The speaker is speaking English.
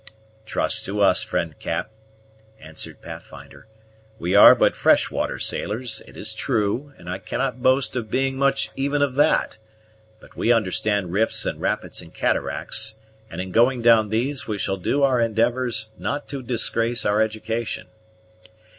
"Trust to us, friend Cap," answered Pathfinder; "we are but fresh water sailors, it is true, and I cannot boast of being much even of that; but we understand rifts and rapids and cataracts; and in going down these we shall do our endeavors not to disgrace our edication."